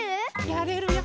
やれるよ。